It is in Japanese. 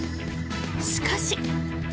しかし。